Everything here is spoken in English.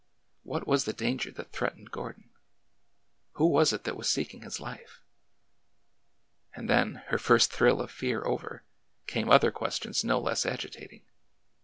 What was the danger that threatened Gordon ? Who was it that was seeking his life? And then, her first thrill of fear over, came other questions no less agitating. ..